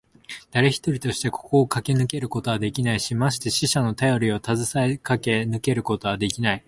だれ一人としてここをかけ抜けることはできないし、まして死者のたよりをたずさえてかけ抜けることはできない。